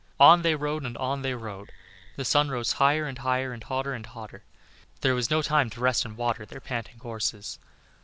On they rode and on they rode. The sun rose higher and higher, and hotter and hotter. There was no time to rest and water their panting horses.